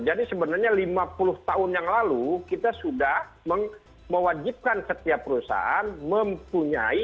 jadi sebenarnya lima puluh tahun yang lalu kita sudah mewajibkan setiap perusahaan mempunyai